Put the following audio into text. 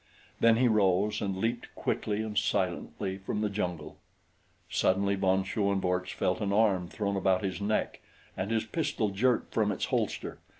Then he rose and leaped quickly and silently from the jungle. Suddenly von Schoenvorts felt an arm thrown about his neck and his pistol jerked from its holster.